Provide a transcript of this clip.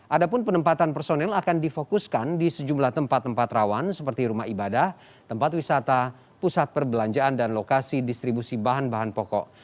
ada pun penempatan personel akan difokuskan di sejumlah tempat tempat rawan seperti rumah ibadah tempat wisata pusat perbelanjaan dan lokasi distribusi bahan bahan pokok